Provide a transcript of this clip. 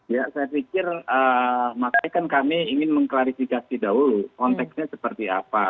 ya saya pikir makanya kan kami ingin mengklarifikasi dahulu konteksnya seperti apa